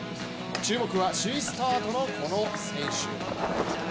注目は首位スタートのこの選手。